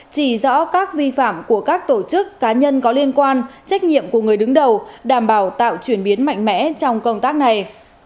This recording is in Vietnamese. chỉ rõ các vi phạm của các tổ chức cá nhân có liên quan trách nhiệm của người đứng đầu đảm bảo tạo chuyển biến mạnh mẽ trong công tác này